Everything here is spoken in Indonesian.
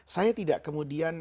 saya tidak kemudian